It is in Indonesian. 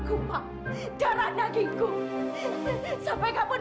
apakah kita twrung keanggung